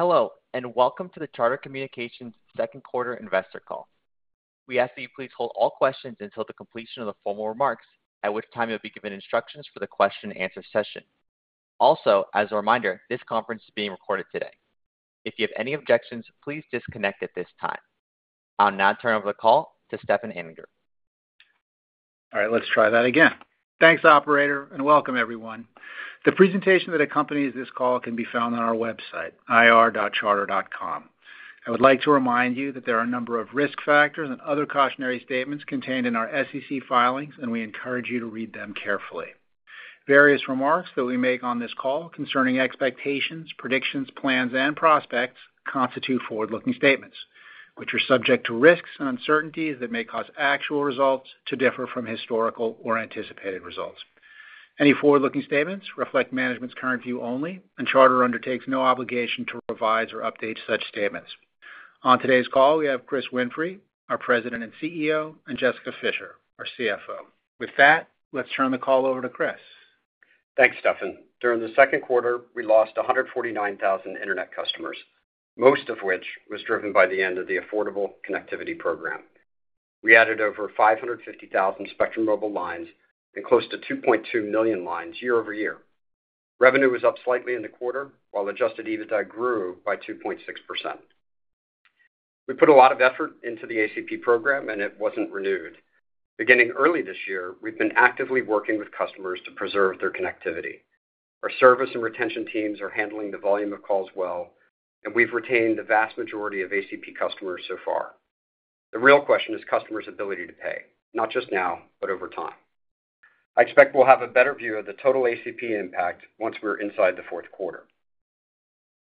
Hello, and welcome to the Charter Communications' Q2 Investor Call. We ask that you please hold all questions until the completion of the formal remarks, at which time you'll be given instructions for the question-and-answer session. Also, as a reminder, this conference is being recorded today. If you have any objections, please disconnect at this time. I'll now turn over the call to Stefan Anninger. All right, let's try that again. Thanks, Operator, and welcome, everyone. The presentation that accompanies this call can be found on our website, ir.charter.com. I would like to remind you that there are a number of risk factors and other cautionary statements contained in our SEC filings, and we encourage you to read them carefully. Various remarks that we make on this call concerning expectations, predictions, plans, and prospects constitute forward-looking statements, which are subject to risks and uncertainties that may cause actual results to differ from historical or anticipated results. Any forward-looking statements reflect management's current view only, and Charter undertakes no obligation to revise or update such statements. On today's call, we have Chris Winfrey, our President and CEO, and Jessica Fischer, our CFO. With that, let's turn the call over to Chris. Thanks, Stefan. During the Q2, we lost 149,000 internet customers, most of which was driven by the end of the Affordable Connectivity Program. We added over 550,000 Spectrum Mobile lines and close to 2.2 million lines year-over-year. Revenue was up slightly in the quarter, while adjusted EBITDA grew by 2.6%. We put a lot of effort into the ACP program, and it wasn't renewed. Beginning early this year, we've been actively working with customers to preserve their connectivity. Our service and retention teams are handling the volume of calls well, and we've retained the vast majority of ACP customers so far. The real question is customers' ability to pay, not just now, but over time. I expect we'll have a better view of the total ACP impact once we're inside the Q4.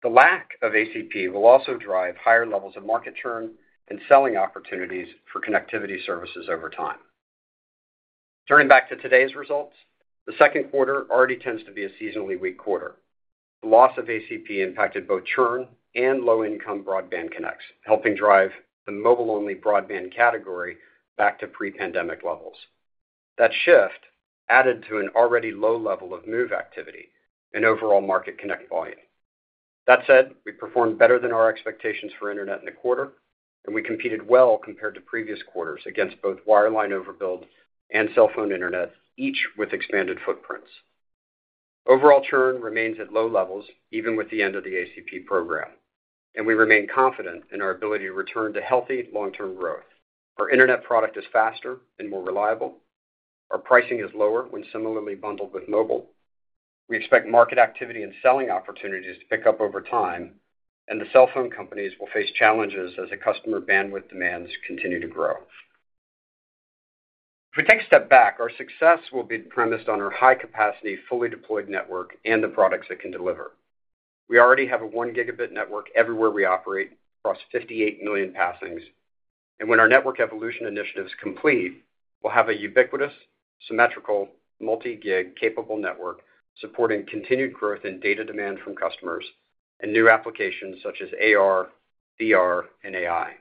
The lack of ACP will also drive higher levels of market churn and selling opportunities for connectivity services over time. Turning back to today's results, the Q2 already tends to be a seasonally weak quarter. The loss of ACP impacted both churn and low-income broadband connects, helping drive the mobile-only broadband category back to pre-pandemic levels. That shift added to an already low level of move activity and overall market connect volume. That said, we performed better than our expectations for internet in the quarter, and we competed well compared to previous quarters against both wireline overbuild and cell phone internet, each with expanded footprints. Overall churn remains at low levels even with the end of the ACP program, and we remain confident in our ability to return to healthy long-term growth. Our internet product is faster and more reliable. Our pricing is lower when similarly bundled with mobile. We expect market activity and selling opportunities to pick up over time, and the cell phone companies will face challenges as customer bandwidth demands continue to grow. If we take a step back, our success will be premised on our high-capacity, fully deployed network and the products it can deliver. We already have a 1-gigabit network everywhere we operate across 58 million passings, and when our network evolution initiatives complete, we'll have a ubiquitous, symmetrical, multi-gig capable network supporting continued growth in data demand from customers and new applications such as AR, VR, and AI,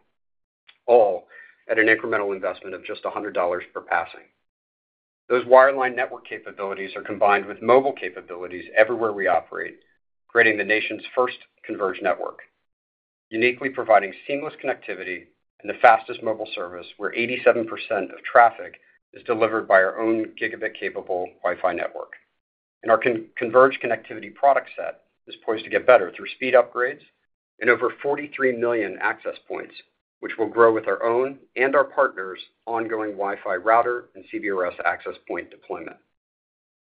all at an incremental investment of just $100 per passing. Those wireline network capabilities are combined with mobile capabilities everywhere we operate, creating the nation's first converged network, uniquely providing seamless connectivity and the fastest mobile service where 87% of traffic is delivered by our own gigabit-capable Wi-Fi network. Our converged connectivity product set is poised to get better through speed upgrades and over 43 million access points, which will grow with our own and our partners' ongoing Wi-Fi router and CBRS access point deployment.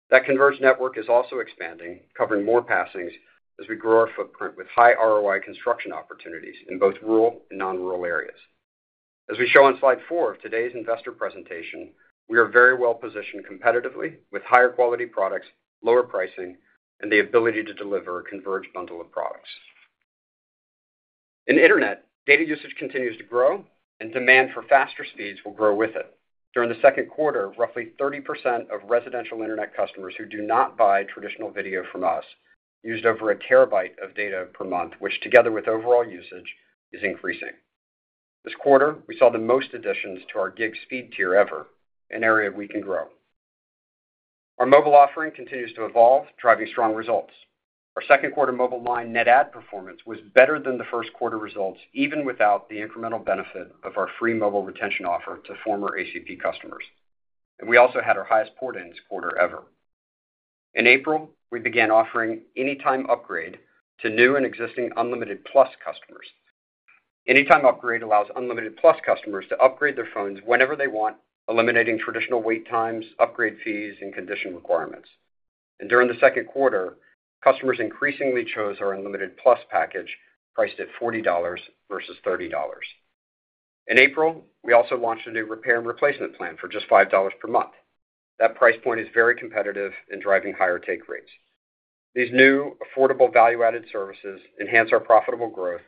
That converged network is also expanding, covering more passings as we grow our footprint with high ROI construction opportunities in both rural and non-rural areas. As we show on slide 4 of today's investor presentation, we are very well positioned competitively with higher quality products, lower pricing, and the ability to deliver a converged bundle of products. In internet, data usage continues to grow, and demand for faster speeds will grow with it. During the Q2, roughly 30% of residential internet customers who do not buy traditional video from us used over a terabyte of data per month, which together with overall usage is increasing. This quarter, we saw the most additions to our gig speed tier ever, an area we can grow. Our mobile offering continues to evolve, driving strong results. Our Q2 mobile line net add performance was better than the Q1 results even without the incremental benefit of our free mobile retention offer to former ACP customers, and we also had our highest port-ins quarter ever. In April, we began offering Anytime Upgrade to new and existing Unlimited Plus customers. Anytime Upgrade allows Unlimited Plus customers to upgrade their phones whenever they want, eliminating traditional wait times, upgrade fees, and condition requirements. During the Q2, customers increasingly chose our Unlimited Plus package priced at $40 versus $30. In April, we also launched a new repair and replacement plan for just $5 per month. That price point is very competitive and driving higher take rates. These new affordable value-added services enhance our profitable growth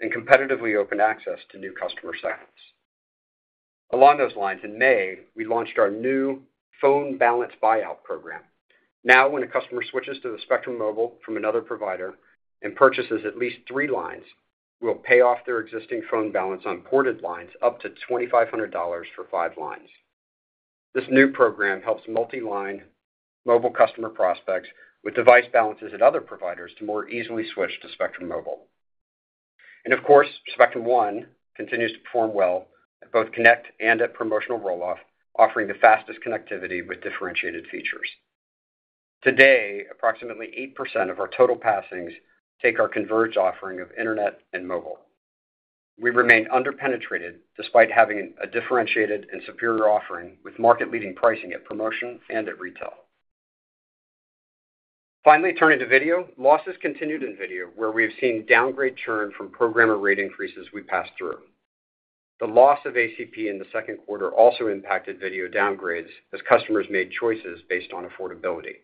and competitively open access to new customer segments. Along those lines, in May, we launched our new Phone Balance Buyout Program. Now, when a customer switches to Spectrum Mobile from another provider and purchases at least three lines, we'll pay off their existing phone balance on ported lines up to $2,500 for five lines. This new program helps multi-line mobile customer prospects with device balances at other providers to more easily switch to Spectrum Mobile. And of course, Spectrum One continues to perform well at both connect and at promotional rolloff, offering the fastest connectivity with differentiated features. Today, approximately 8% of our total passings take our converged offering of internet and mobile. We remain underpenetrated despite having a differentiated and superior offering with market-leading pricing at promotion and at retail. Finally, turning to video, losses continued in video, where we have seen downgrade churn from programmer rate increases we passed through. The loss of ACP in the Q2 also impacted video downgrades as customers made choices based on affordability.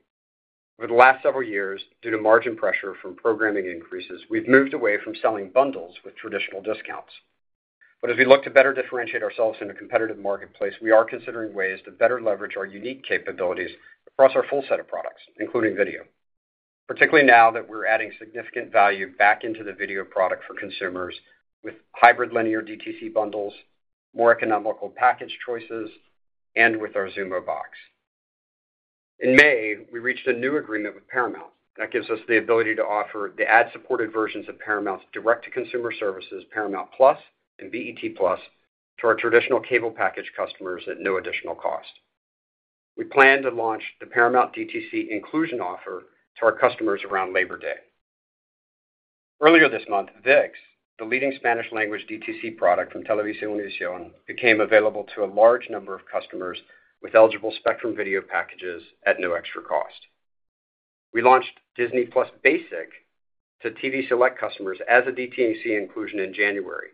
Over the last several years, due to margin pressure from programming increases, we've moved away from selling bundles with traditional discounts. But as we look to better differentiate ourselves in a competitive marketplace, we are considering ways to better leverage our unique capabilities across our full set of products, including video, particularly now that we're adding significant value back into the video product for consumers with hybrid linear DTC bundles, more economical package choices, and with our Xumo box. In May, we reached a new agreement with Paramount that gives us the ability to offer the ad-supported versions of Paramount's direct-to-consumer services, Paramount+ and BET+, to our traditional cable package customers at no additional cost. We plan to launch the Paramount DTC inclusion offer to our customers around Labor Day. Earlier this month, ViX, the leading Spanish-language DTC product from TelevisaUnivision, became available to a large number of customers with eligible Spectrum video packages at no extra cost. We launched Disney+ Basic to TV Select customers as a DTC inclusion in January,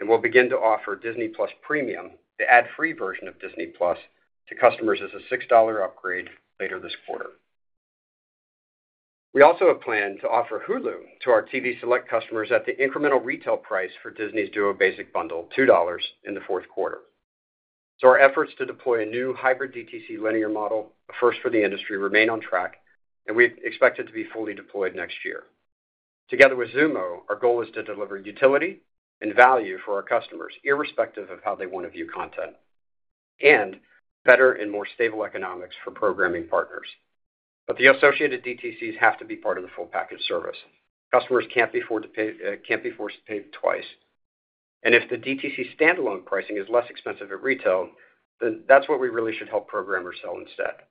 and we'll begin to offer Disney+ Premium, the ad-free version of Disney+, to customers as a $6 upgrade later this quarter. We also have planned to offer Hulu to our TV Select customers at the incremental retail price for Disney's Duo Basic bundle, $2, in the Q4. So our efforts to deploy a new hybrid DTC linear model, first for the industry, remain on track, and we expect it to be fully deployed next year. Together with Xumo, our goal is to deliver utility and value for our customers, irrespective of how they want to view content, and better and more stable economics for programming partners. But the associated DTCs have to be part of the full package service. Customers can't be forced to pay twice. And if the DTC standalone pricing is less expensive at retail, then that's what we really should help programmers sell instead.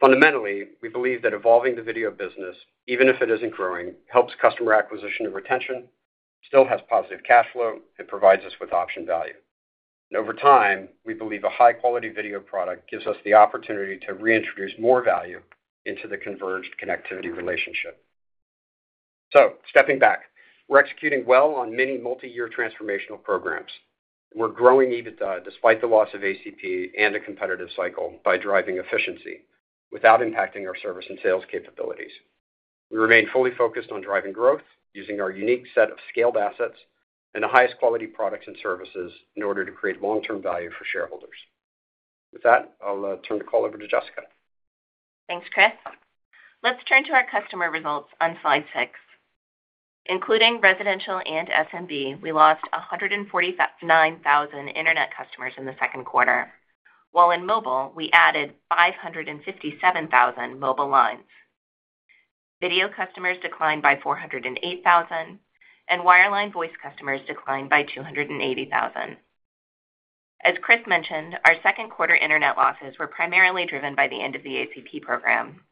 Fundamentally, we believe that evolving the video business, even if it isn't growing, helps customer acquisition and retention, still has positive cash flow, and provides us with option value. Over time, we believe a high-quality video product gives us the opportunity to reintroduce more value into the converged connectivity relationship. Stepping back, we're executing well on many multi-year transformational programs. We're growing EBITDA despite the loss of ACP and a competitive cycle by driving efficiency without impacting our service and sales capabilities. We remain fully focused on driving growth using our unique set of scaled assets and the highest quality products and services in order to create long-term value for shareholders. With that, I'll turn the call over to Jessica. Thanks, Chris. Let's turn to our customer results on slide six. Including residential and SMB, we lost 149,000 internet customers in the Q2, while in mobile, we added 557,000 mobile lines. Video customers declined by 408,000, and wireline voice customers declined by 280,000. As Chris mentioned, our Q2 internet losses were primarily driven by the end of the ACP program.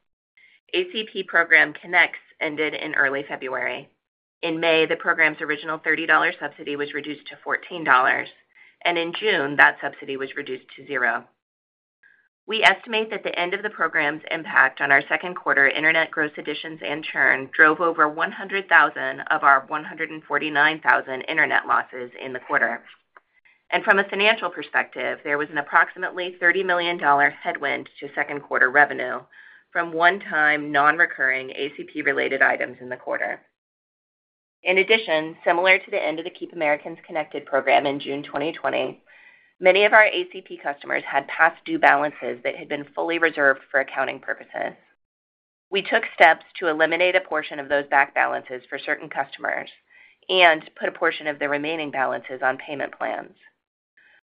ACP program connects ended in early February. In May, the program's original $30 subsidy was reduced to $14, and in June, that subsidy was reduced to zero. We estimate that the end of the program's impact on our Q2 internet gross additions and churn drove over 100,000 of our 149,000 internet losses in the quarter. And from a financial perspective, there was an approximately $30 million headwind to Q2 revenue from one-time non-recurring ACP-related items in the quarter. In addition, similar to the end of the Keep Americans Connected program in June 2020, many of our ACP customers had past due balances that had been fully reserved for accounting purposes. We took steps to eliminate a portion of those back balances for certain customers and put a portion of the remaining balances on payment plans.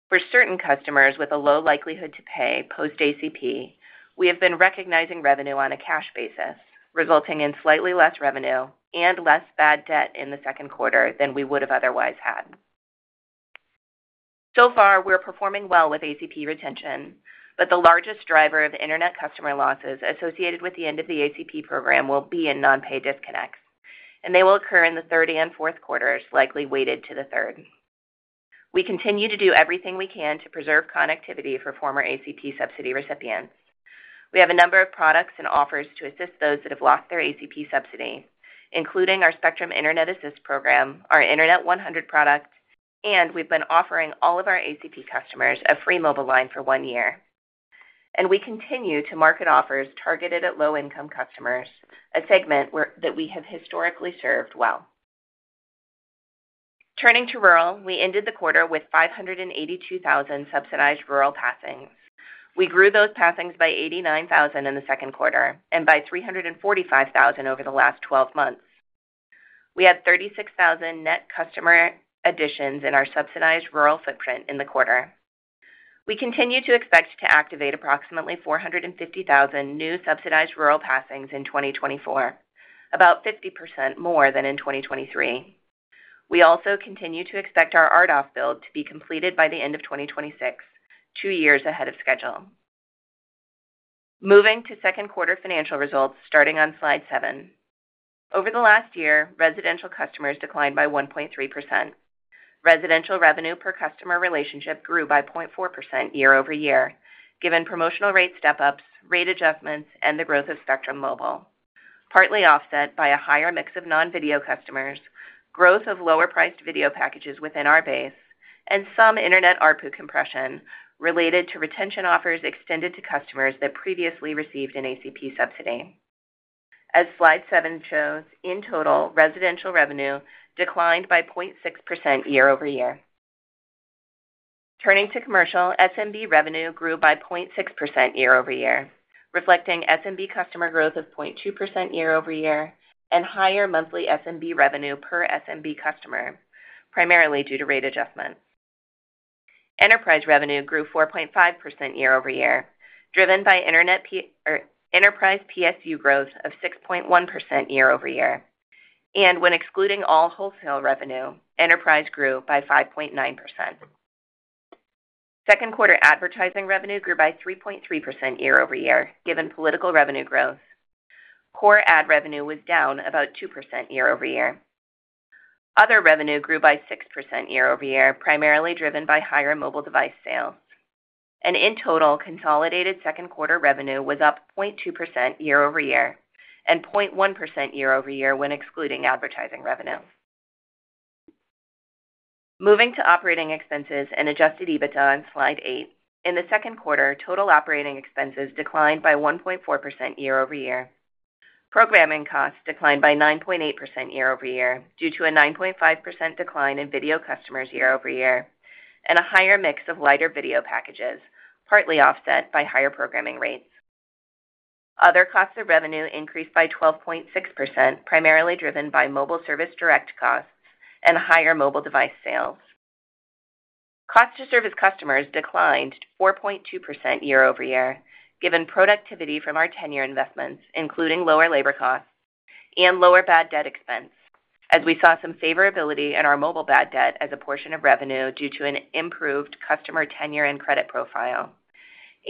For certain customers with a low likelihood to pay post-ACP, we have been recognizing revenue on a cash basis, resulting in slightly less revenue and less bad debt in the Q2 than we would have otherwise had. So far, we're performing well with ACP retention, but the largest driver of internet customer losses associated with the end of the ACP program will be in non-pay disconnects, and they will occur in the third and Q4s, likely weighted to the third. We continue to do everything we can to preserve connectivity for former ACP subsidy recipients. We have a number of products and offers to assist those that have lost their ACP subsidy, including our Spectrum Internet Assist program, our Spectrum Internet 100 product, and we've been offering all of our ACP customers a free mobile line for one year. We continue to market offers targeted at low-income customers, a segment that we have historically served well. Turning to rural, we ended the quarter with 582,000 subsidized rural passings. We grew those passings by 89,000 in the Q2 and by 345,000 over the last 12 months. We had 36,000 net customer additions in our subsidized rural footprint in the quarter. We continue to expect to activate approximately 450,000 new subsidized rural passings in 2024, about 50% more than in 2023. We also continue to expect our RDOF build to be completed by the end of 2026, 2 years ahead of schedule. Moving to Q2 financial results starting on slide 7. Over the last year, residential customers declined by 1.3%. Residential revenue per customer relationship grew by 0.4% year-over-year, given promotional rate step-ups, rate adjustments, and the growth of Spectrum Mobile, partly offset by a higher mix of non-video customers, growth of lower-priced video packages within our base, and some internet ARPU compression related to retention offers extended to customers that previously received an ACP subsidy. As slide 7 shows, in total, residential revenue declined by 0.6% year-over-year. Turning to commercial, SMB revenue grew by 0.6% year-over-year, reflecting SMB customer growth of 0.2% year-over-year and higher monthly SMB revenue per SMB customer, primarily due to rate adjustment. Enterprise revenue grew 4.5% year-over-year, driven by enterprise PSU growth of 6.1% year-over-year. When excluding all wholesale revenue, enterprise grew by 5.9%. Q2 advertising revenue grew by 3.3% year-over-year, given political revenue growth. Core ad revenue was down about 2% year-over-year. Other revenue grew by 6% year-over-year, primarily driven by higher mobile device sales. In total, consolidated Q2 revenue was up 0.2% year-over-year and 0.1% year-over-year when excluding advertising revenue. Moving to operating expenses and adjusted EBITDA on slide 8. In the Q2, total operating expenses declined by 1.4% year-over-year. Programming costs declined by 9.8% year-over-year due to a 9.5% decline in video customers year-over-year and a higher mix of lighter video packages, partly offset by higher programming rates. Other costs of revenue increased by 12.6%, primarily driven by mobile service direct costs and higher mobile device sales. Cost to serve customers declined 4.2% year-over-year, given productivity from our tenure investments, including lower labor costs and lower bad debt expense, as we saw some favorability in our mobile bad debt as a portion of revenue due to an improved customer tenure and credit profile.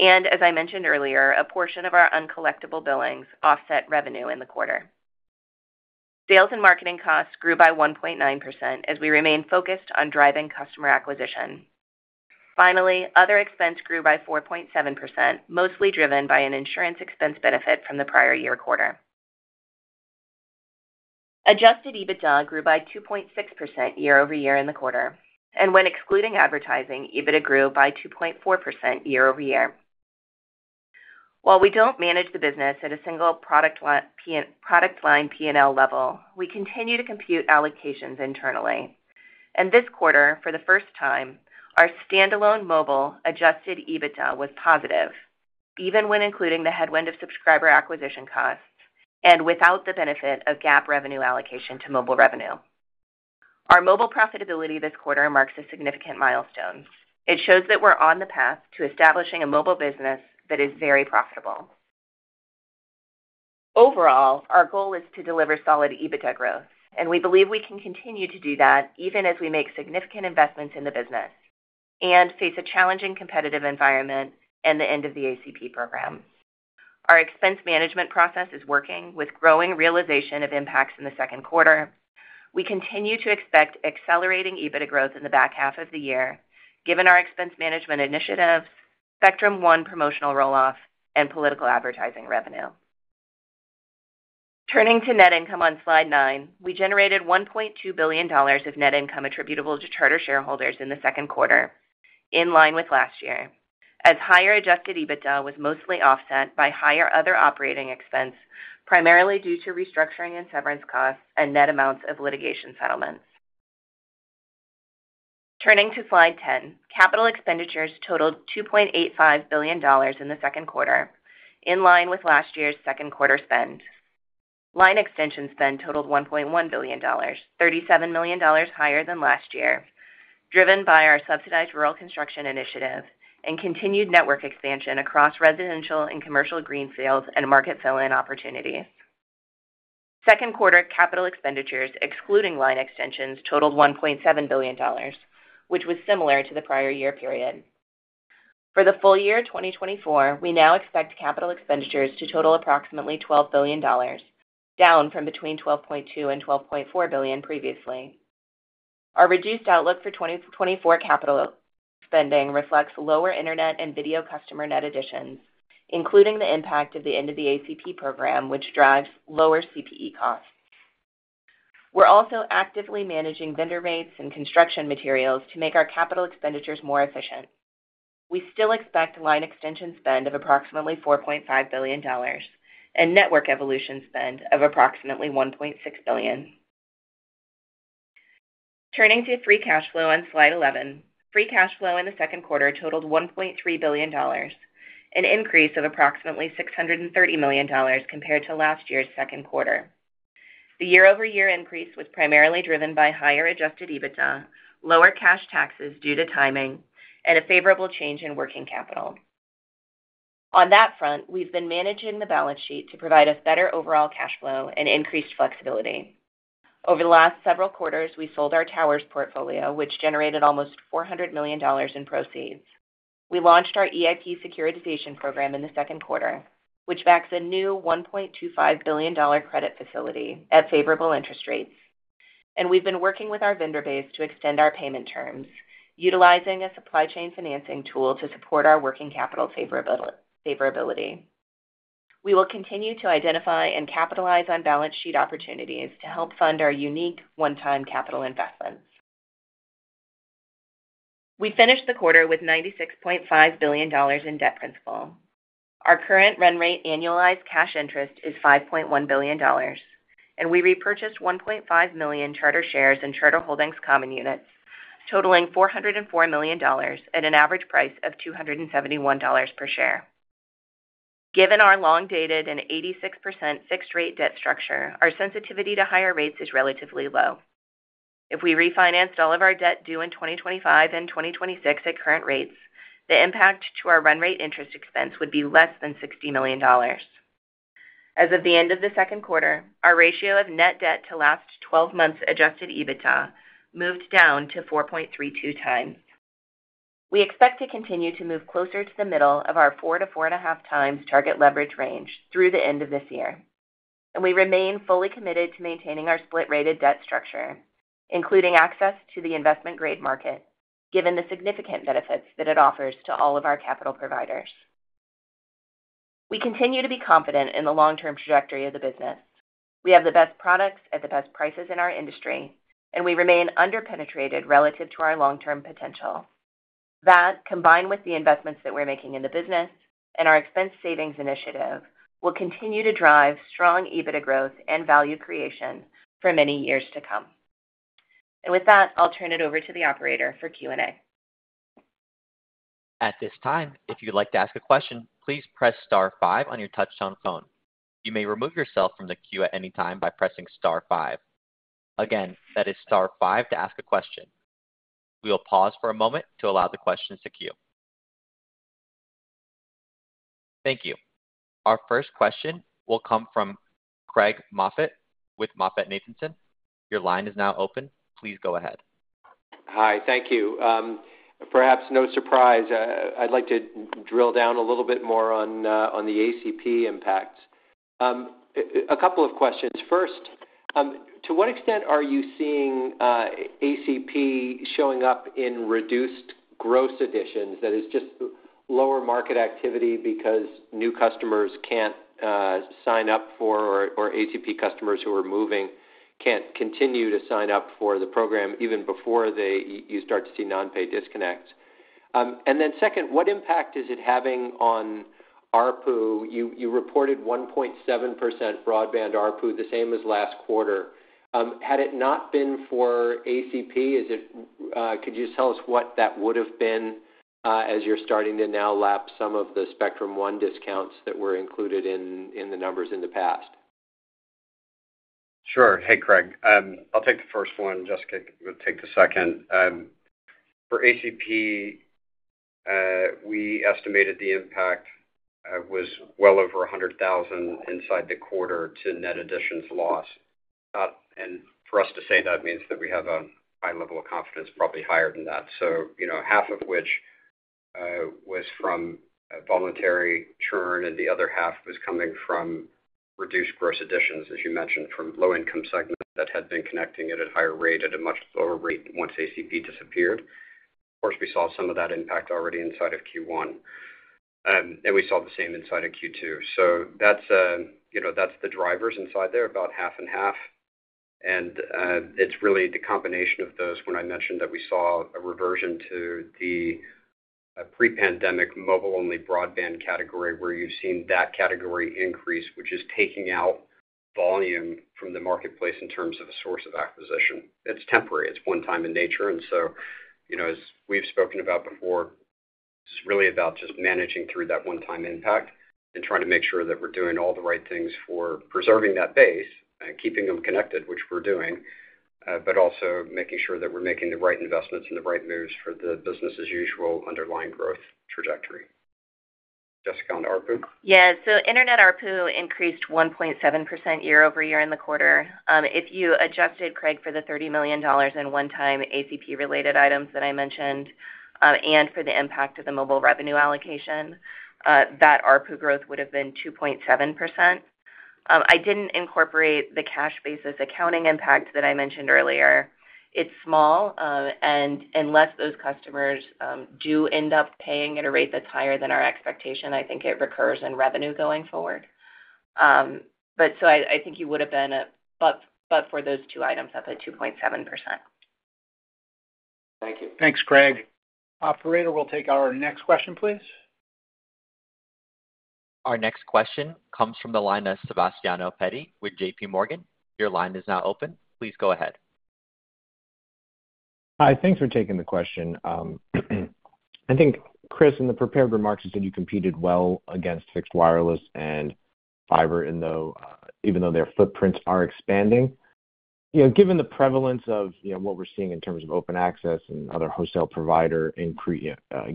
As I mentioned earlier, a portion of our uncollectible billings offset revenue in the quarter. Sales and marketing costs grew by 1.9% as we remained focused on driving customer acquisition. Finally, other expense grew by 4.7%, mostly driven by an insurance expense benefit from the prior year quarter. Adjusted EBITDA grew by 2.6% year-over-year in the quarter. When excluding advertising, EBITDA grew by 2.4% year-over-year. While we don't manage the business at a single product line P&L level, we continue to compute allocations internally. And this quarter, for the first time, our standalone mobile adjusted EBITDA was positive, even when including the headwind of subscriber acquisition costs and without the benefit of GAAP revenue allocation to mobile revenue. Our mobile profitability this quarter marks a significant milestone. It shows that we're on the path to establishing a mobile business that is very profitable. Overall, our goal is to deliver solid EBITDA growth, and we believe we can continue to do that even as we make significant investments in the business and face a challenging competitive environment and the end of the ACP program. Our expense management process is working with growing realization of impacts in the Q2. We continue to expect accelerating EBITDA growth in the back half of the year, given our expense management initiatives, Spectrum One promotional rolloff, and political advertising revenue. Turning to net income on slide 9, we generated $1.2 billion of net income attributable to Charter shareholders in the Q2, in line with last year, as higher adjusted EBITDA was mostly offset by higher other operating expense, primarily due to restructuring and severance costs and net amounts of litigation settlements. Turning to slide 10, capital expenditures totaled $2.85 billion in the Q2, in line with last year's Q2 spend. Line extension spend totaled $1.1 billion, $37 million higher than last year, driven by our subsidized rural construction initiative and continued network expansion across residential and commercial greenfields and market fill-in opportunities. Q2 capital expenditures, excluding line extensions, totaled $1.7 billion, which was similar to the prior year period. For the full year 2024, we now expect capital expenditures to total approximately $12 billion, down from between $12.2 and $12.4 billion previously. Our reduced outlook for 2024 capital spending reflects lower internet and video customer net additions, including the impact of the end of the ACP program, which drives lower CPE costs. We're also actively managing vendor rates and construction materials to make our capital expenditures more efficient. We still expect line extension spend of approximately $4.5 billion and network evolution spend of approximately $1.6 billion. Turning to free cash flow on slide 11, free cash flow in the Q2 totaled $1.3 billion, an increase of approximately $630 million compared to last year's Q2. The year-over-year increase was primarily driven by higher adjusted EBITDA, lower cash taxes due to timing, and a favorable change in working capital. On that front, we've been managing the balance sheet to provide us better overall cash flow and increased flexibility. Over the last several quarters, we sold our towers portfolio, which generated almost $400 million in proceeds. We launched our EIP securitization program in the Q2, which backs a new $1.25 billion credit facility at favorable interest rates. We've been working with our vendor base to extend our payment terms, utilizing a supply chain financing tool to support our working capital favorability. We will continue to identify and capitalize on balance sheet opportunities to help fund our unique one-time capital investments. We finished the quarter with $96.5 billion in debt principal. Our current run rate annualized cash interest is $5.1 billion, and we repurchased 1.5 million Charter shares and Charter Holdings Common Units, totaling $404 million at an average price of $271 per share. Given our long-dated and 86% fixed-rate debt structure, our sensitivity to higher rates is relatively low. If we refinanced all of our debt due in 2025 and 2026 at current rates, the impact to our run rate interest expense would be less than $60 million. As of the end of the Q2, our ratio of net debt to last 12 months adjusted EBITDA moved down to 4.32 times. We expect to continue to move closer to the middle of our 4 to 4.5 times target leverage range through the end of this year. We remain fully committed to maintaining our split-rated debt structure, including access to the investment-grade market, given the significant benefits that it offers to all of our capital providers. We continue to be confident in the long-term trajectory of the business. We have the best products at the best prices in our industry, and we remain underpenetrated relative to our long-term potential. That, combined with the investments that we're making in the business and our expense savings initiative, will continue to drive strong EBITDA growth and value creation for many years to come. With that, I'll turn it over to the operator for Q&A. At this time, if you'd like to ask a question, please press star five on your touch-tone phone. You may remove yourself from the queue at any time by pressing star five. Again, that is star five to ask a question. We will pause for a moment to allow the questions to queue. Thank you. Our first question will come from Craig Moffett with MoffettNathanson. Your line is now open. Please go ahead. Hi, thank you. Perhaps no surprise, I'd like to drill down a little bit more on the ACP impacts. A couple of questions. First, to what extent are you seeing ACP showing up in reduced gross additions? That is just lower market activity because new customers can't sign up for, or ACP customers who are moving can't continue to sign up for the program even before you start to see non-pay disconnects. And then second, what impact is it having on ARPU? You reported 1.7% broadband ARPU, the same as last quarter. Had it not been for ACP, could you tell us what that would have been as you're starting to now lap some of the Spectrum One discounts that were included in the numbers in the past? Sure. Hey, Craig. I'll take the first one. Just take the second. For ACP, we estimated the impact was well over 100,000 inside the quarter to net additions loss. And for us to say that means that we have a high level of confidence, probably higher than that. So half of which was from voluntary churn, and the other half was coming from reduced gross additions, as you mentioned, from low-income segment that had been connecting at a higher rate at a much lower rate once ACP disappeared. Of course, we saw some of that impact already inside of Q1, and we saw the same inside of Q2. So that's the drivers inside there, about half and half. And it's really the combination of those when I mentioned that we saw a reversion to the pre-pandemic mobile-only broadband category where you've seen that category increase, which is taking out volume from the marketplace in terms of a source of acquisition. It's temporary. It's one-time in nature. And so, as we've spoken about before, it's really about just managing through that one-time impact and trying to make sure that we're doing all the right things for preserving that base and keeping them connected, which we're doing, but also making sure that we're making the right investments and the right moves for the business-as-usual underlying growth trajectory. Jessica on ARPU? Yeah. So internet ARPU increased 1.7% year-over-year in the quarter. If you adjusted, Craig, for the $30 million in one-time ACP-related items that I mentioned and for the impact of the mobile revenue allocation, that ARPU growth would have been 2.7%. I didn't incorporate the cash-basis accounting impact that I mentioned earlier. It's small. And unless those customers do end up paying at a rate that's higher than our expectation, I think it recurs in revenue going forward. But so I think you would have been above for those two items up at 2.7%. Thank you. Thanks, Craig. Operator, we'll take our next question, please. Our next question comes from the line of Sebastiano Petti with J.P. Morgan. Your line is now open. Please go ahead. Hi. Thanks for taking the question. I think Chris, in the prepared remarks, you said you competed well against fixed wireless and fiber, even though their footprints are expanding. Given the prevalence of what we're seeing in terms of open access and other wholesale provider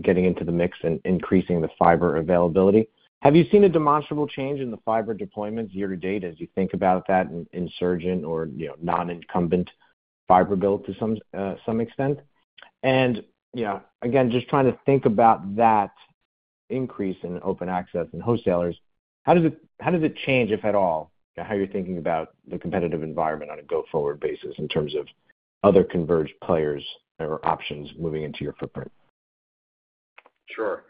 getting into the mix and increasing the fiber availability, have you seen a demonstrable change in the fiber deployments year to date as you think about that insurgent or non-incumbent fiber build to some extent? And again, just trying to think about that increase in open access and wholesalers, how does it change, if at all, how you're thinking about the competitive environment on a go-forward basis in terms of other converged players or options moving into your footprint? Sure.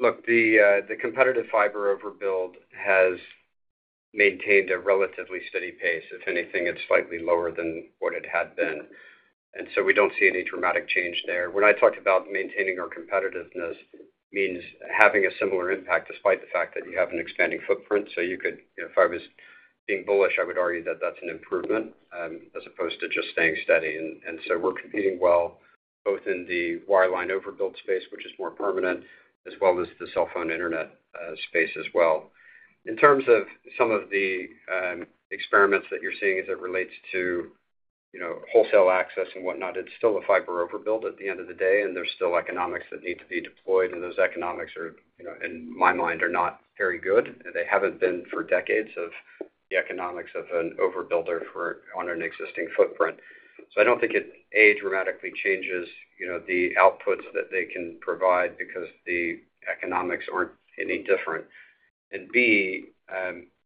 Look, the competitive fiber overbuild has maintained a relatively steady pace. If anything, it's slightly lower than what it had been. And so we don't see any dramatic change there. When I talked about maintaining our competitiveness, means having a similar impact despite the fact that you have an expanding footprint. So if I was being bullish, I would argue that that's an improvement as opposed to just staying steady. And so we're competing well both in the wireline overbuild space, which is more permanent, as well as the cell phone internet space as well. In terms of some of the experiments that you're seeing as it relates to wholesale access and whatnot, it's still a fiber overbuild at the end of the day, and there's still economics that need to be deployed. Those economics, in my mind, are not very good. They haven't been for decades of the economics of an overbuilder on an existing footprint. I don't think it A, dramatically changes the outputs that they can provide because the economics aren't any different. B,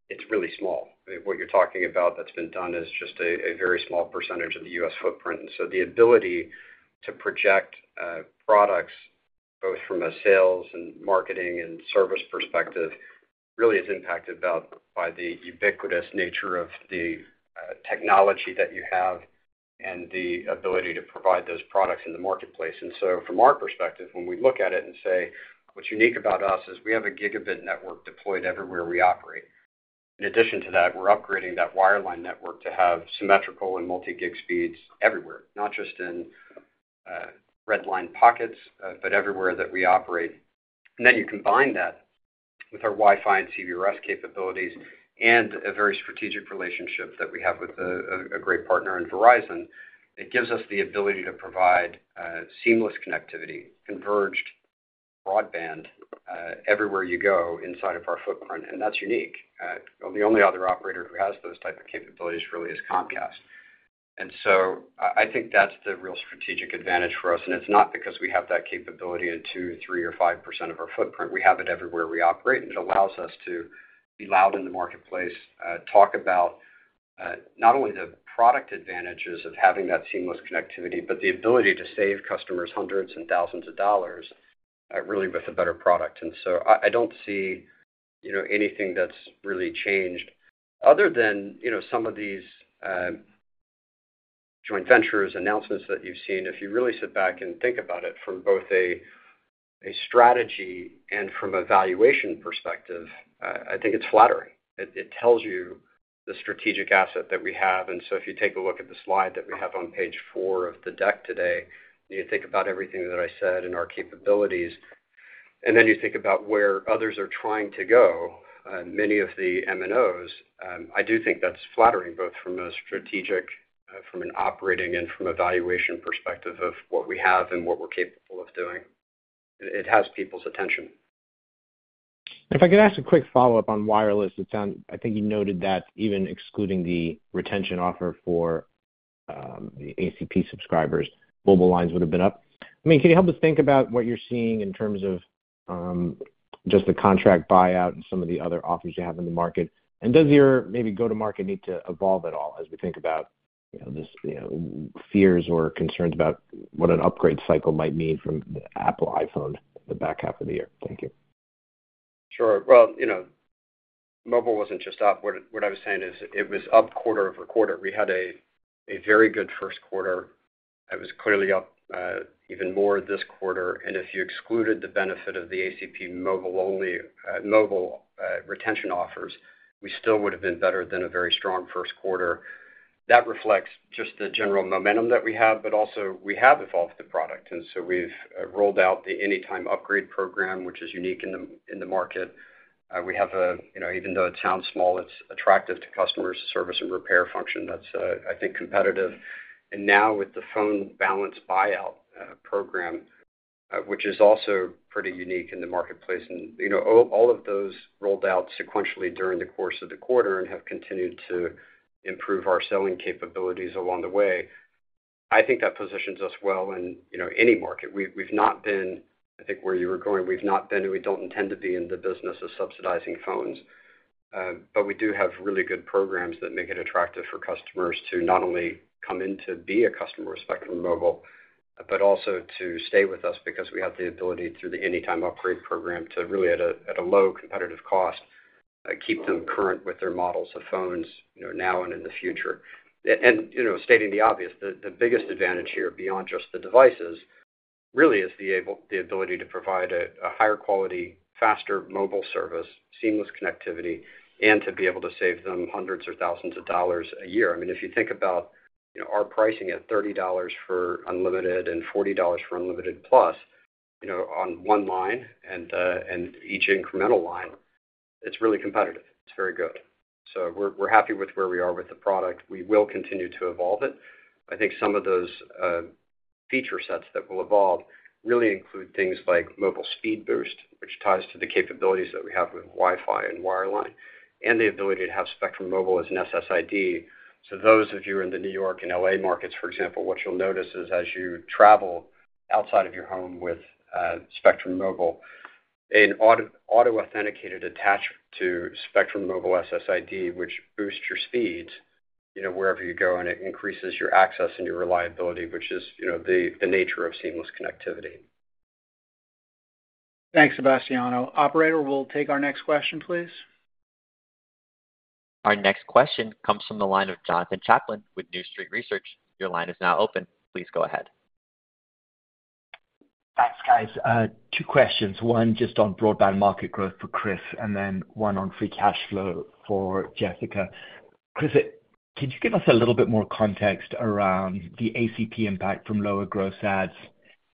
it's really small. What you're talking about that's been done is just a very small percentage of the U.S. footprint. The ability to project products both from a sales and marketing and service perspective really is impacted by the ubiquitous nature of the technology that you have and the ability to provide those products in the marketplace. And so from our perspective, when we look at it and say, what's unique about us is we have a gigabit network deployed everywhere we operate. In addition to that, we're upgrading that wireline network to have symmetrical and multi-gig speeds everywhere, not just in red line pockets, but everywhere that we operate. And then you combine that with our Wi-Fi and CBRS capabilities and a very strategic relationship that we have with a great partner in Verizon. It gives us the ability to provide seamless connectivity, converged broadband everywhere you go inside of our footprint. And that's unique. The only other operator who has those types of capabilities really is Comcast. And so I think that's the real strategic advantage for us. And it's not because we have that capability in 2, 3, or 5% of our footprint. We have it everywhere we operate, and it allows us to be loud in the marketplace, talk about not only the product advantages of having that seamless connectivity, but the ability to save customers hundreds and thousands of dollars really with a better product. So I don't see anything that's really changed other than some of these joint ventures announcements that you've seen. If you really sit back and think about it from both a strategy and from a valuation perspective, I think it's flattering. It tells you the strategic asset that we have. And so if you take a look at the slide that we have on page 4 of the deck today, you think about everything that I said and our capabilities, and then you think about where others are trying to go, many of the MNOs. I do think that's flattering both from a strategic, from an operating, and from a valuation perspective of what we have and what we're capable of doing. It has people's attention. If I could ask a quick follow-up on wireless, I think you noted that even excluding the retention offer for the ACP subscribers, mobile lines would have been up. I mean, can you help us think about what you're seeing in terms of just the contract buyout and some of the other offers you have in the market? Does your mobile go-to-market need to evolve at all as we think about these fears or concerns about what an upgrade cycle might mean from Apple iPhone the back half of the year? Thank you. Sure. Well, mobile wasn't just up. What I was saying is it was up quarter-over-quarter. We had a very good Q1. It was clearly up even more this quarter. And if you excluded the benefit of the ACP mobile-only mobile retention offers, we still would have been better than a very strong Q1. That reflects just the general momentum that we have, but also we have evolved the product. And so we've rolled out the Anytime Upgrade program, which is unique in the market. We have, even though it sounds small, it's attractive to customer service and repair function. That's, I think, competitive. And now with the Phone Balance Buyout Program, which is also pretty unique in the marketplace, and all of those rolled out sequentially during the course of the quarter and have continued to improve our selling capabilities along the way, I think that positions us well in any market. We've not been, I think, where you were going. We've not been, and we don't intend to be in the business of subsidizing phones. But we do have really good programs that make it attractive for customers to not only come in to be a customer of Spectrum Mobile, but also to stay with us because we have the ability through the Anytime Upgrade program to really, at a low competitive cost, keep them current with their models of phones now and in the future. Stating the obvious, the biggest advantage here beyond just the devices really is the ability to provide a higher quality, faster mobile service, seamless connectivity, and to be able to save them hundreds or thousands of dollars a year. I mean, if you think about our pricing at $30 for unlimited and $40 for Unlimited Plus on one line and each incremental line, it's really competitive. It's very good. So we're happy with where we are with the product. We will continue to evolve it. I think some of those feature sets that will evolve really include things like Mobile Speed Boost, which ties to the capabilities that we have with Wi-Fi and wireline, and the ability to have Spectrum Mobile as an SSID. So those of you in the New York and L.A. markets, for example, what you'll notice is as you travel outside of your home with Spectrum Mobile, an auto-authenticated attachment to Spectrum Mobile SSID, which boosts your speeds wherever you go, and it increases your access and your reliability, which is the nature of seamless connectivity. Thanks, Sebastiano. Operator, we'll take our next question, please. Our next question comes from the line of Jonathan Chaplin with New Street Research. Your line is now open. Please go ahead. Thanks, guys. Two questions. One just on broadband market growth for Chris, and then one on free cash flow for Jessica. Chris, can you give us a little bit more context around the ACP impact from lower gross ads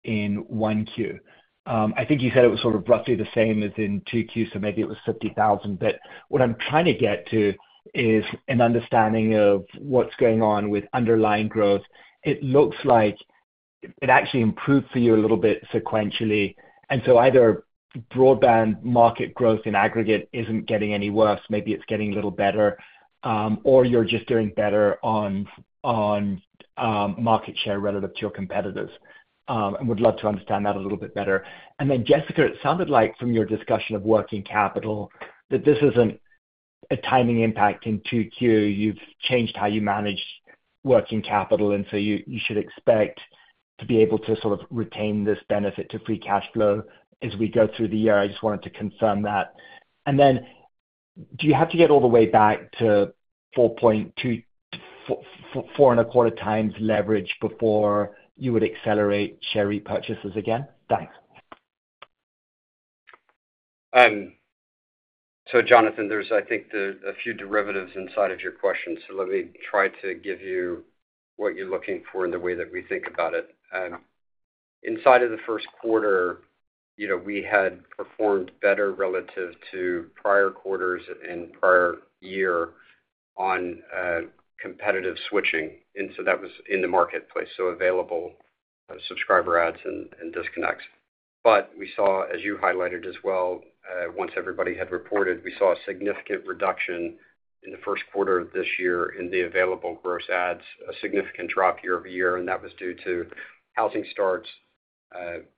in 1Q? I think you said it was sort of roughly the same as in 2Q, so maybe it was 50,000. But what I'm trying to get to is an understanding of what's going on with underlying growth. It looks like it actually improved for you a little bit sequentially. And so either broadband market growth in aggregate isn't getting any worse. Maybe it's getting a little better, or you're just doing better on market share relative to your competitors. I would love to understand that a little bit better. And then, Jessica, it sounded like from your discussion of working capital that this isn't a timing impact in 2Q. You've changed how you manage working capital, and so you should expect to be able to sort of retain this benefit to free cash flow as we go through the year. I just wanted to confirm that. Then do you have to get all the way back to 4.2, 4.25 times leverage before you would accelerate share repurchases again? Thanks. So, Jonathan, there's, I think, a few derivatives inside of your questions. So let me try to give you what you're looking for in the way that we think about it. Inside of the Q1, we had performed better relative to prior quarters and prior year on competitive switching. And so that was in the marketplace, so available subscriber adds and disconnects. But we saw, as you highlighted as well, once everybody had reported, we saw a significant reduction in the Q1 of this year in the available gross adds, a significant drop year-over-year. And that was due to housing starts,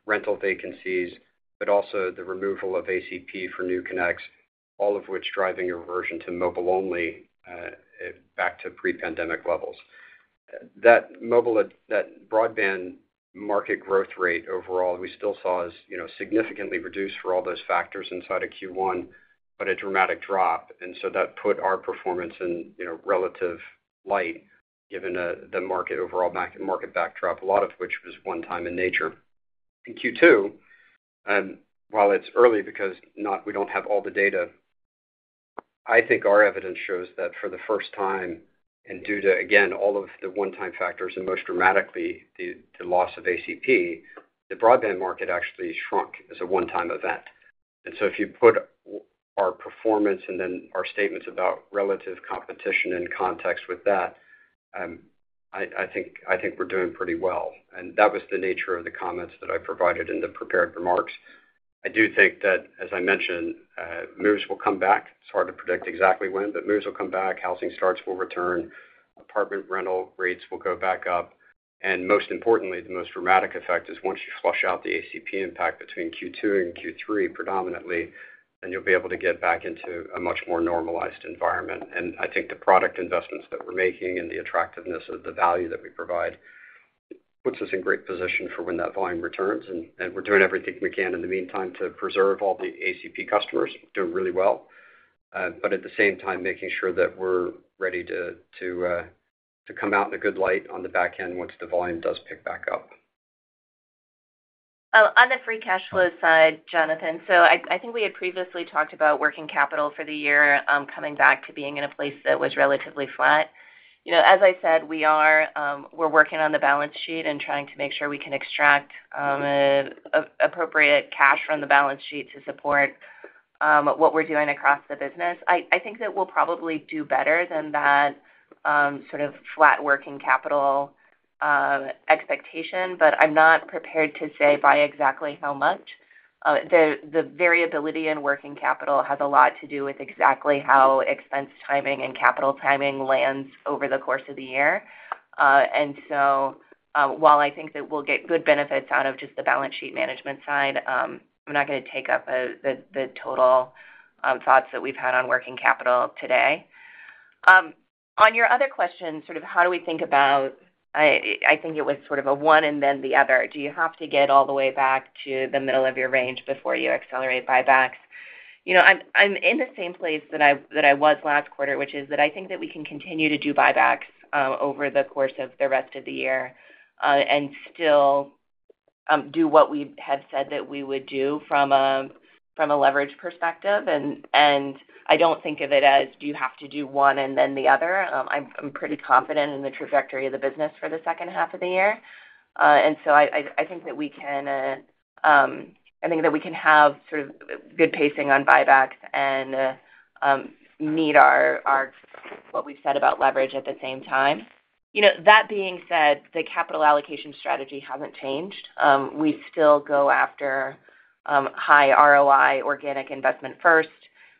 rental vacancies, but also the removal of ACP for new connects, all of which driving a reversion to mobile-only back to pre-pandemic levels. That broadband market growth rate overall we still saw is significantly reduced for all those factors inside of Q1, but a dramatic drop. And so that put our performance in relative light given the market overall market backdrop, a lot of which was one-time in nature. In Q2, while it's early because we don't have all the data, I think our evidence shows that for the first time, and due to, again, all of the one-time factors and most dramatically the loss of ACP, the broadband market actually shrunk as a one-time event. And so if you put our performance and then our statements about relative competition in context with that, I think we're doing pretty well. And that was the nature of the comments that I provided in the prepared remarks. I do think that, as I mentioned, moves will come back. It's hard to predict exactly when, but moves will come back. Housing starts will return. Apartment rental rates will go back up. And most importantly, the most dramatic effect is once you flush out the ACP impact between Q2 and Q3 predominantly, then you'll be able to get back into a much more normalized environment. And I think the product investments that we're making and the attractiveness of the value that we provide puts us in great position for when that volume returns. And we're doing everything we can in the meantime to preserve all the ACP customers. We're doing really well. But at the same time, making sure that we're ready to come out in a good light on the back end once the volume does pick back up. On the free cash flow side, Jonathan, so I think we had previously talked about working capital for the year coming back to being in a place that was relatively flat. As I said, we're working on the balance sheet and trying to make sure we can extract appropriate cash from the balance sheet to support what we're doing across the business. I think that we'll probably do better than that sort of flat working capital expectation, but I'm not prepared to say by exactly how much. The variability in working capital has a lot to do with exactly how expense timing and capital timing lands over the course of the year. So while I think that we'll get good benefits out of just the balance sheet management side, I'm not going to take up the total thoughts that we've had on working capital today. On your other question, sort of how do we think about, I think it was sort of a one and then the other, do you have to get all the way back to the middle of your range before you accelerate buybacks? I'm in the same place that I was last quarter, which is that I think that we can continue to do buybacks over the course of the rest of the year and still do what we had said that we would do from a leverage perspective. And I don't think of it as, do you have to do one and then the other. I'm pretty confident in the trajectory of the business for the H2 of the year. And so I think that we can have sort of good pacing on buybacks and meet what we've said about leverage at the same time. That being said, the capital allocation strategy hasn't changed. We still go after high ROI, organic investment first.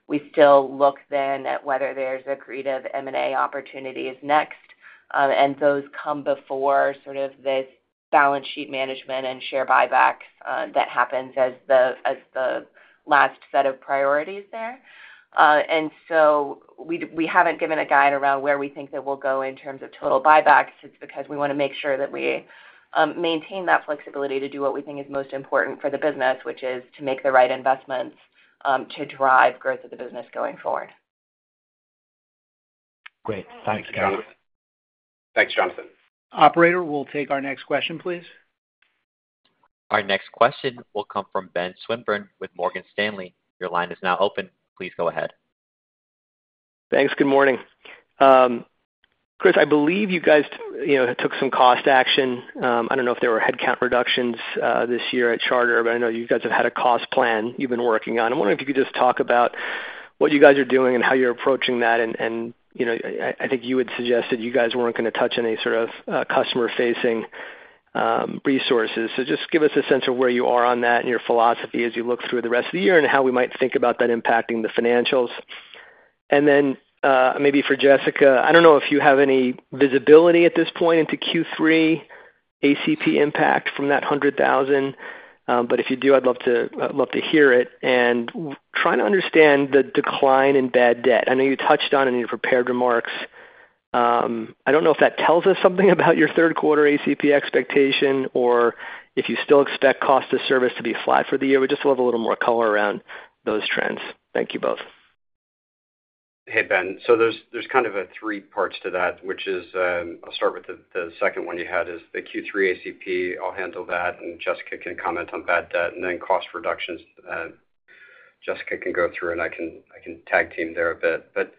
We still look then at whether there's an array of M&A opportunities next. And those come before sort of this balance sheet management and share buybacks that happen as the last set of priorities there. And so we haven't given a guide around where we think that we'll go in terms of total buybacks. It's because we want to make sure that we maintain that flexibility to do what we think is most important for the business, which is to make the right investments to drive growth of the business going forward. Great. Thanks, guys. Thanks, Jonathan. Operator, we'll take our next question, please. Our next question will come from Ben Swinburne with Morgan Stanley. Your line is now open. Please go ahead. Thanks. Good morning. Chris, I believe you guys took some cost action. I don't know if there were headcount reductions this year at Charter, but I know you guys have had a cost plan you've been working on. I'm wondering if you could just talk about what you guys are doing and how you're approaching that. And I think you had suggested you guys weren't going to touch any sort of customer-facing resources. So just give us a sense of where you are on that and your philosophy as you look through the rest of the year and how we might think about that impacting the financials. And then maybe for Jessica, I don't know if you have any visibility at this point into Q3 ACP impact from that 100,000. But if you do, I'd love to hear it. And trying to understand the decline in bad debt. I know you touched on it in your prepared remarks. I don't know if that tells us something about your Q3 ACP expectation or if you still expect cost of service to be flat for the year. We just want a little more color around those trends. Thank you both. Hey, Ben. So there's kind of three parts to that, which is I'll start with the second one you had is the Q3 ACP. I'll handle that, and Jessica can comment on bad debt. Then cost reductions, Jessica can go through, and I can tag team there a bit. But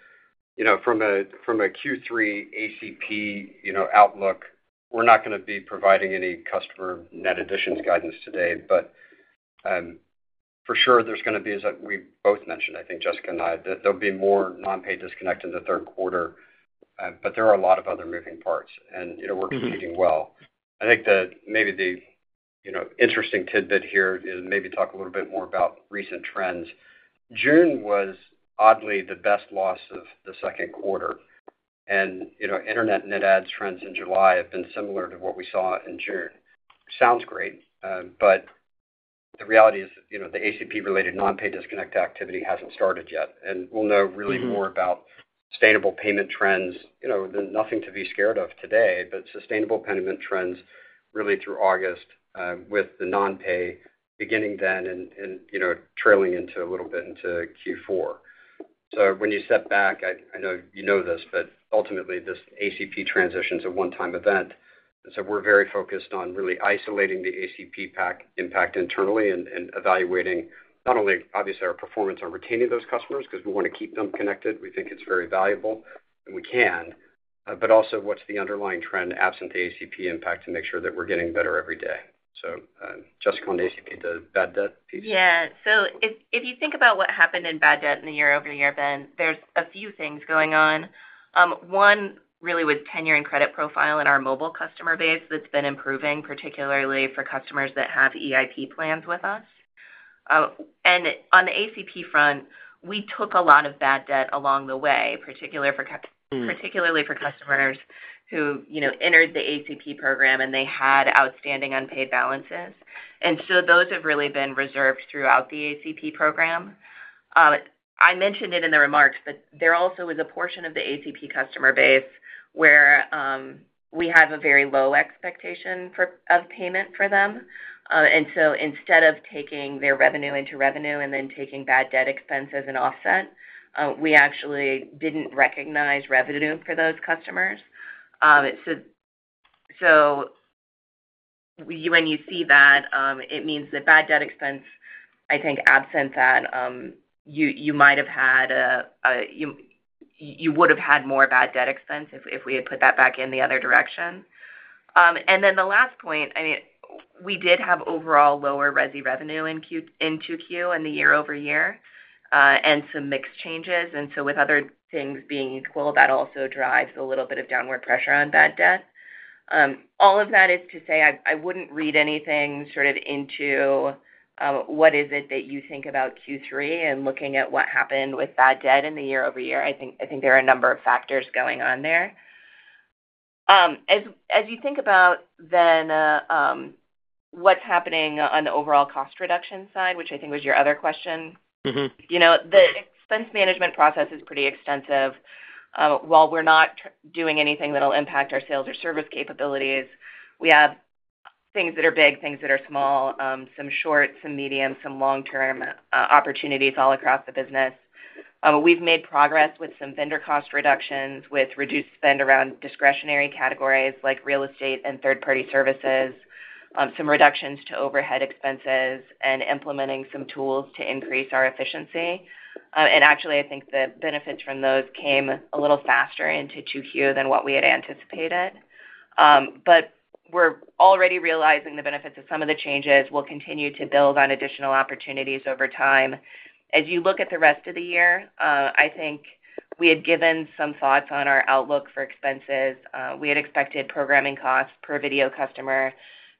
from a Q3 ACP outlook, we're not going to be providing any customer net additions guidance today. But for sure, there's going to be, as we both mentioned, I think Jessica and I, that there'll be more non-pay disconnect in the Q3. But there are a lot of other moving parts, and we're competing well. I think that maybe the interesting tidbit here is maybe talk a little bit more about recent trends. June was oddly the best loss of the Q2. And internet net adds trends in July have been similar to what we saw in June. Sounds great. But the reality is that the ACP-related non-pay disconnect activity hasn't started yet. And we'll know really more about sustainable payment trends. There's nothing to be scared of today, but sustainable payment trends really through August with the non-pay beginning then and trailing into a little bit into Q4. So when you step back, I know you know this, but ultimately, this ACP transition is a one-time event. And so we're very focused on really isolating the ACP impact internally and evaluating not only, obviously, our performance on retaining those customers because we want to keep them connected. We think it's very valuable, and we can. But also, what's the underlying trend absent the ACP impact to make sure that we're getting better every day? So Jessica on ACP, the bad debt piece? Yeah. So if you think about what happened in bad debt in the year-over-year, Ben, there's a few things going on. One really was tenure and credit profile in our mobile customer base that's been improving, particularly for customers that have EIP plans with us. And on the ACP front, we took a lot of bad debt along the way, particularly for customers who entered the ACP program, and they had outstanding unpaid balances. And so those have really been reserved throughout the ACP program. I mentioned it in the remarks, but there also was a portion of the ACP customer base where we have a very low expectation of payment for them. And so instead of taking their revenue into revenue and then taking bad debt expenses and offset, we actually didn't recognize revenue for those customers. So when you see that, it means that bad debt expense, I think absent that, you might have had you would have had more bad debt expense if we had put that back in the other direction. And then the last point, I mean, we did have overall lower resi revenue in Q2 and the year-over-year and some mixed changes. And so with other things being equal, that also drives a little bit of downward pressure on bad debt. All of that is to say I wouldn't read anything sort of into what is it that you think about Q3 and looking at what happened with bad debt in the year-over-year. I think there are a number of factors going on there. As you think about then what's happening on the overall cost reduction side, which I think was your other question, the expense management process is pretty extensive. While we're not doing anything that'll impact our sales or service capabilities, we have things that are big, things that are small, some short, some medium, some long-term opportunities all across the business. We've made progress with some vendor cost reductions, with reduced spend around discretionary categories like real estate and third-party services, some reductions to overhead expenses, and implementing some tools to increase our efficiency. Actually, I think the benefits from those came a little faster into Q2 than what we had anticipated. We're already realizing the benefits of some of the changes. We'll continue to build on additional opportunities over time. As you look at the rest of the year, I think we had given some thoughts on our outlook for expenses. We had expected programming costs per video customer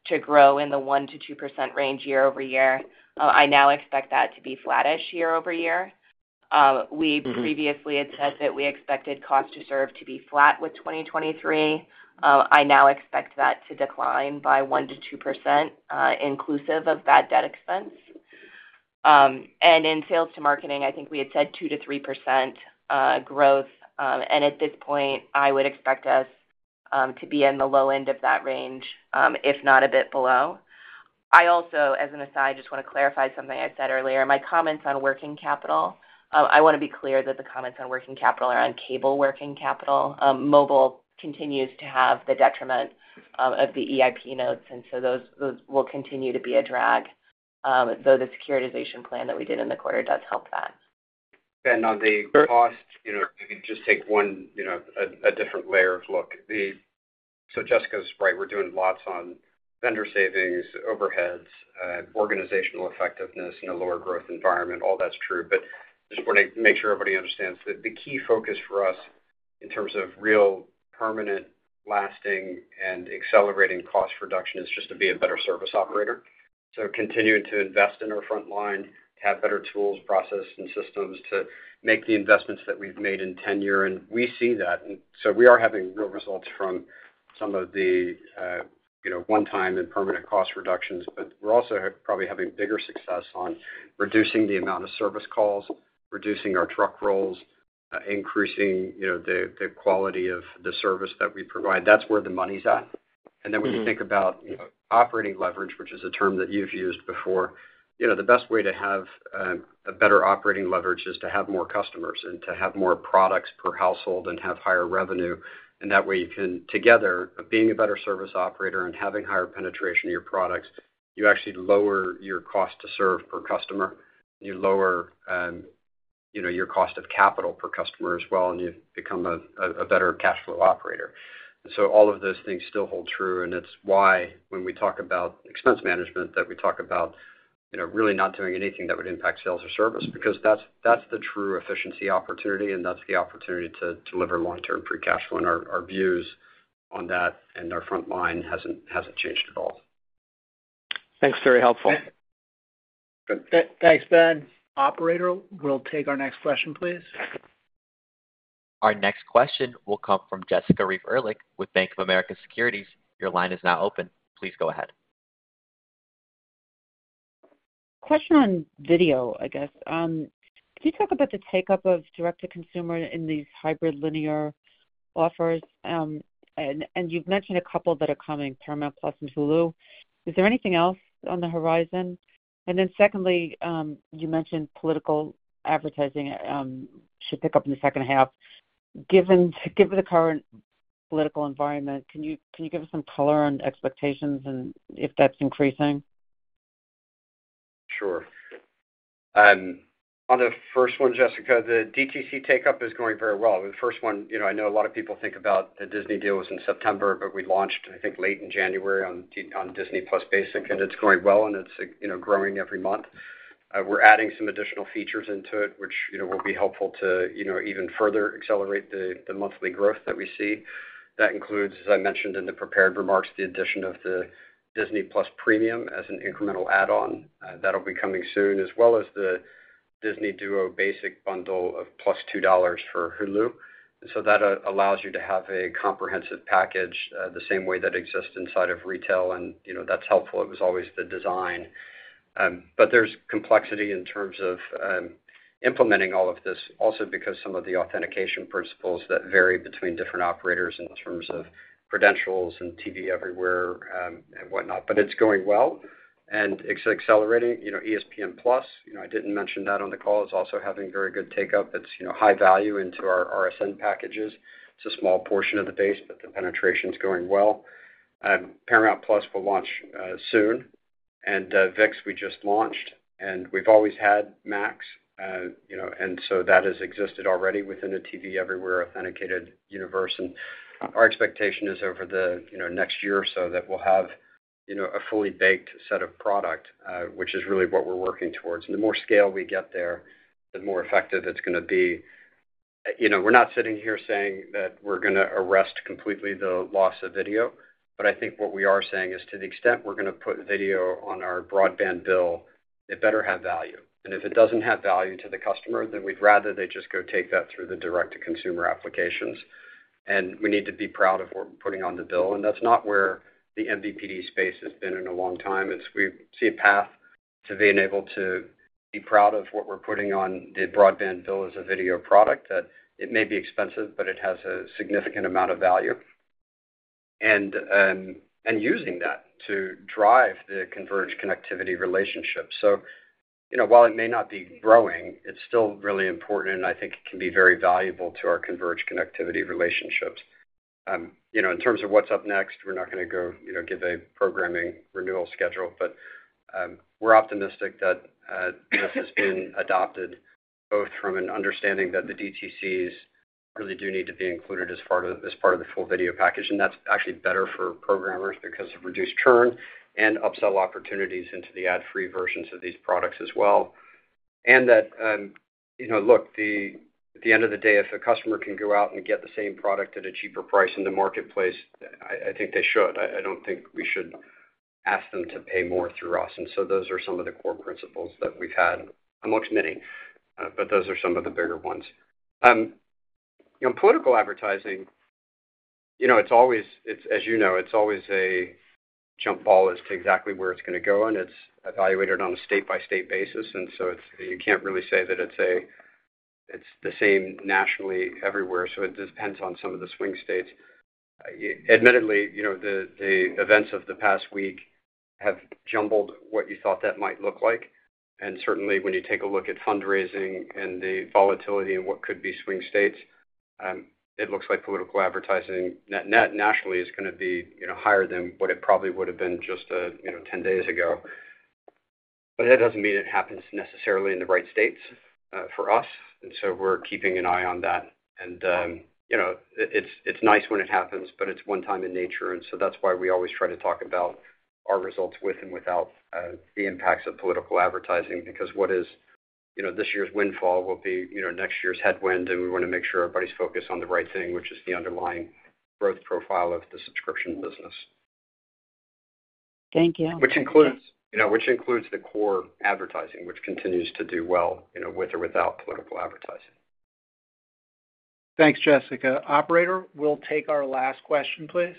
to grow in the 1%-2% range year-over-year. I now expect that to be flattish year-over-year. We previously had said that we expected cost to serve to be flat with 2023. I now expect that to decline by 1%-2% inclusive of bad debt expense. And in sales and marketing, I think we had said 2%-3% growth. And at this point, I would expect us to be in the low end of that range, if not a bit below. I also, as an aside, just want to clarify something I said earlier. My comments on working capital, I want to be clear that the comments on working capital are on cable working capital. Mobile continues to have the detriment of the EIP notes. And so those will continue to be a drag, though the securitization plan that we did in the quarter does help that. And on the cost, if you could just take on a different layer of look. So Jessica's right. We're doing lots on vendor savings, overheads, organizational effectiveness in a lower growth environment. All that's true. But just want to make sure everybody understands that the key focus for us in terms of real permanent, lasting, and accelerating cost reduction is just to be a better service operator. So continuing to invest in our front line, to have better tools, processes, and systems to make the investments that we've made in tenure. And we see that. We are having real results from some of the one-time and permanent cost reductions. We're also probably having bigger success on reducing the amount of service calls, reducing our truck rolls, increasing the quality of the service that we provide. That's where the money's at. When you think about operating leverage, which is a term that you've used before, the best way to have a better operating leverage is to have more customers and to have more products per household and have higher revenue. That way, you can together, being a better service operator and having higher penetration of your products, you actually lower your cost to serve per customer. You lower your cost of capital per customer as well, and you become a better cash flow operator. All of those things still hold true. And it's why when we talk about expense management that we talk about really not doing anything that would impact sales or service because that's the true efficiency opportunity, and that's the opportunity to deliver long-term free cash flow. And our views on that and our front line hasn't changed at all. Thanks. Very helpful. Thanks, Ben. Operator, will take our next question, please. Our next question will come from Jessica Reif Ehrlich with Bank of America Securities. Your line is now open. Please go ahead. Question on video, I guess. Can you talk about the take-up of direct-to-consumer in these hybrid linear offers? And you've mentioned a couple that are coming, Paramount+ and Hulu. Is there anything else on the horizon? And then secondly, you mentioned political advertising should pick up in the H2. Given the current political environment, can you give us some color on expectations and if that's increasing? Sure. On the first one, Jessica, the DTC take-up is going very well. The first one, I know a lot of people think about the Disney deal was in September, but we launched, I think, late in January on Disney+ Basic, and it's going well, and it's growing every month. We're adding some additional features into it, which will be helpful to even further accelerate the monthly growth that we see. That includes, as I mentioned in the prepared remarks, the addition of the Disney+ Premium as an incremental add-on. That'll be coming soon, as well as the Disney Bundle Duo Basic bundle of plus $2 for Hulu. So that allows you to have a comprehensive package the same way that exists inside of retail. That's helpful. It was always the design. But there's complexity in terms of implementing all of this, also because some of the authentication principles that vary between different operators in terms of credentials and TV Everywhere and whatnot. But it's going well and it's accelerating. ESPN+, I didn't mention that on the call, is also having very good take-up. It's high value into our RSN packages. It's a small portion of the base, but the penetration is going well. Paramount+ will launch soon. And ViX, we just launched. And we've always had Max. And so that has existed already within a TV Everywhere authenticated universe. And our expectation is over the next year or so that we'll have a fully baked set of product, which is really what we're working towards. And the more scale we get there, the more effective it's going to be. We're not sitting here saying that we're going to arrest completely the loss of video. But I think what we are saying is to the extent we're going to put video on our broadband bill, it better have value. And if it doesn't have value to the customer, then we'd rather they just go take that through the direct-to-consumer applications. And we need to be proud of what we're putting on the bill. And that's not where the MVPD space has been in a long time. We see a path to being able to be proud of what we're putting on the broadband bill as a video product, that it may be expensive, but it has a significant amount of value. And using that to drive the converged connectivity relationship. So while it may not be growing, it's still really important, and I think it can be very valuable to our converged connectivity relationships. In terms of what's up next, we're not going to go give a programming renewal schedule. But we're optimistic that this has been adopted both from an understanding that the DTCs really do need to be included as part of the full video package. And that's actually better for programmers because of reduced churn and upsell opportunities into the ad-free versions of these products as well. And that, look, at the end of the day, if a customer can go out and get the same product at a cheaper price in the marketplace, I think they should. I don't think we should ask them to pay more through us. And so those are some of the core principles that we've had amongst many. But those are some of the bigger ones. Political advertising, as you know, it's always a jump ball as to exactly where it's going to go. And it's evaluated on a state-by-state basis. And so you can't really say that it's the same nationally everywhere. So it depends on some of the swing states. Admittedly, the events of the past week have jumbled what you thought that might look like. And certainly, when you take a look at fundraising and the volatility and what could be swing states, it looks like political advertising net nationally is going to be higher than what it probably would have been just 10 days ago. But that doesn't mean it happens necessarily in the right states for us. And so we're keeping an eye on that. And it's nice when it happens, but it's one-time in nature. And so that's why we always try to talk about our results with and without the impacts of political advertising because what is this year's windfall will be next year's headwind. And we want to make sure everybody's focused on the right thing, which is the underlying growth profile of the subscription business. Thank you. Which includes the core advertising, which continues to do well with or without political advertising. Thanks, Jessica. Operator, will take our last question, please.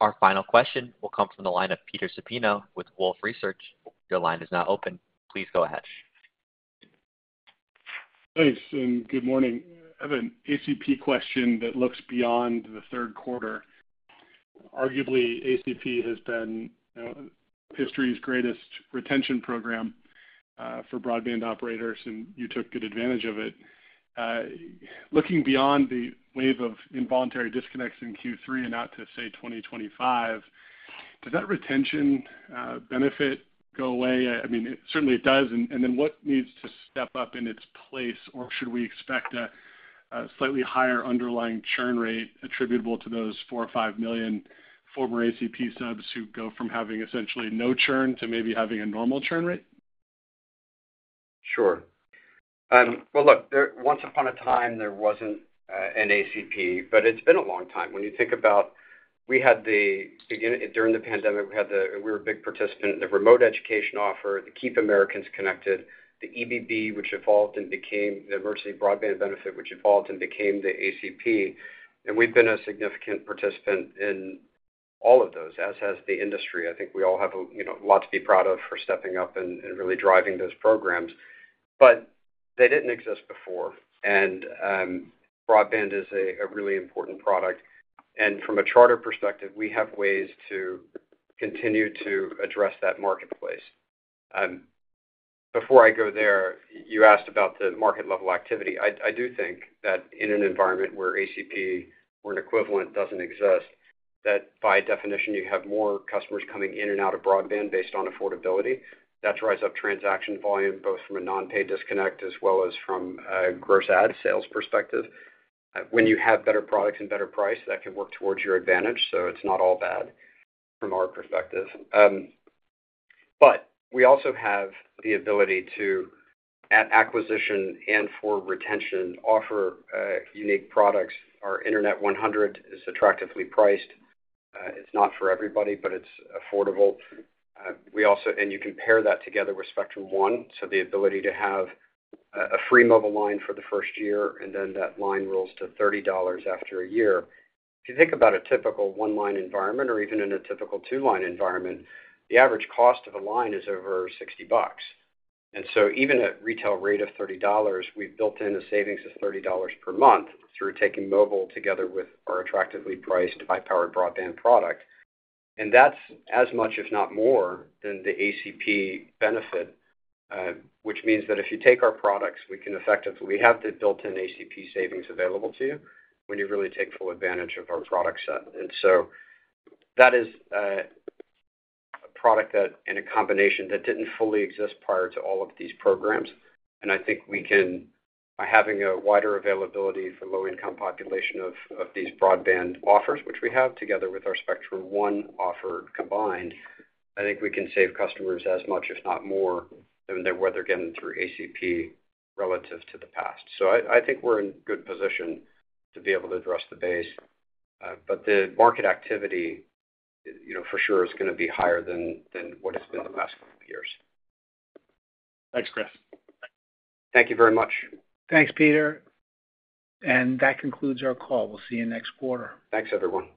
Our final question will come from the line of Peter Supino with Wolfe Research. Your line is now open. Please go ahead. Thanks. And good morning. I have an ACP question that looks beyond the Q3. Arguably, ACP has been history's greatest retention program for broadband operators, and you took good advantage of it. Looking beyond the wave of involuntary disconnects in Q3 and out to, say, 2025, does that retention benefit go away? I mean, certainly it does. And then what needs to step up in its place, or should we expect a slightly higher underlying churn rate attributable to those 4 or 5 million former ACP subs who go from having essentially no churn to maybe having a normal churn rate? Sure. Well, look, once upon a time, there wasn't an ACP, but it's been a long time. When you think about we had the beginning during the pandemic, we were a big participant in the Remote Education Offer, the Keep Americans Connected, the EBB, which evolved and became the Emergency Broadband Benefit, which evolved and became the ACP. And we've been a significant participant in all of those, as has the industry. I think we all have a lot to be proud of for stepping up and really driving those programs. But they didn't exist before. And broadband is a really important product. And from a Charter perspective, we have ways to continue to address that marketplace. Before I go there, you asked about the market-level activity. I do think that in an environment where ACP or an equivalent doesn't exist, that by definition, you have more customers coming in and out of broadband based on affordability. That drives up transaction volume, both from a non-pay disconnect as well as from a gross ad sales perspective. When you have better products and better price, that can work towards your advantage. So it's not all bad from our perspective. But we also have the ability to, at acquisition and for retention, offer unique products. Our Internet 100 is attractively priced. It's not for everybody, but it's affordable. You can pair that together with Spectrum One, so the ability to have a free mobile line for the first year, and then that line rolls to $30 after a year. If you think about a typical one-line environment or even in a typical two-line environment, the average cost of a line is over $60. So even at retail rate of $30, we've built in a savings of $30 per month through taking mobile together with our attractively priced high-power broadband product. That's as much, if not more, than the ACP benefit, which means that if you take our products, we can effectively have the built-in ACP savings available to you when you really take full advantage of our product set. And so that is a product and a combination that didn't fully exist prior to all of these programs. I think we can, by having a wider availability for low-income population of these broadband offers, which we have together with our Spectrum One offer combined, I think we can save customers as much, if not more, than they were getting through ACP relative to the past. So I think we're in a good position to be able to address the base. But the market activity, for sure, is going to be higher than what it's been the last couple of years. Thanks, Chris. Thank you very much. Thanks, Peter. And that concludes our call. We'll see you next quarter. Thanks, everyone.